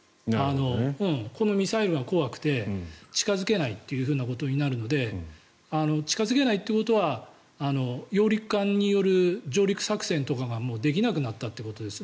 このミサイルが怖くて近付けないということになるので近付けないということは揚陸艦による上陸作戦とかができなくなったということです。